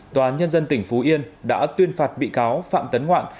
tòa nhân dân tỉnh phú yên đã tuyên phạt bị cáo phạm tấn ngoạn